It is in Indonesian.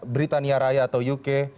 britania raya atau uk